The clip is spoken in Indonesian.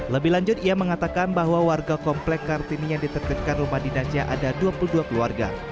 lebih lanjut ia mengatakan bahwa warga komplek kartini yang diterbitkan rumah dinasnya ada dua puluh dua keluarga